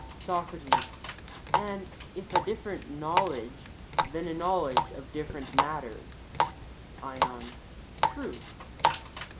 SOCRATES: And if a different knowledge, then a knowledge of different matters? ION: True.